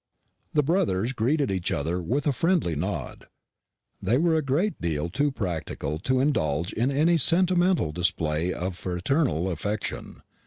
The brothers greeted each other with a friendly nod. They were a great deal too practical to indulge in any sentimental display of fraternal affection.